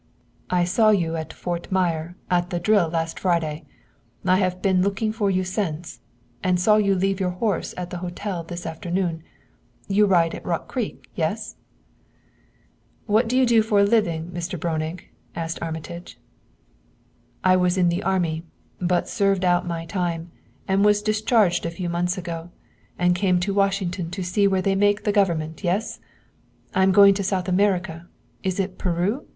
"I saw you at Fort Myer at the drill last Friday. I have been looking for you since, and saw you leave your horse at the hotel this afternoon. You ride at Rock Creek yes?" "What do you do for a living, Mr. Breunig?" asked Armitage. "I was in the army, but served out my time and was discharged a few months ago and came to Washington to see where they make the government yes? I am going to South America. Is it Peru?